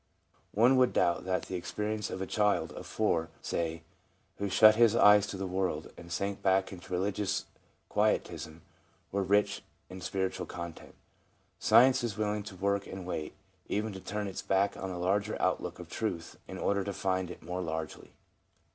One would doubt that the ex perience of a child of four, say, who shut his eyes to the world, and sank back into religious quietism, were rich in spiritual content. Science is willing to work and wait, even to turn its back on the larger outlook of truth in order to find it more largely.